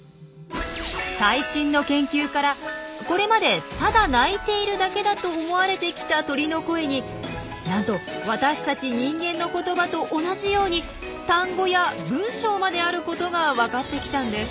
最新の研究からこれまでただ鳴いているだけだと思われてきた鳥の声になんと私たち人間の言葉と同じように単語や文章まであることが分かってきたんです。